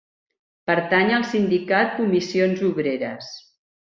Pertany al sindicat Comissions Obreres.